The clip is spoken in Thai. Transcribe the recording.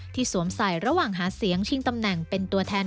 สวมใส่ระหว่างหาเสียงชิงตำแหน่งเป็นตัวแทน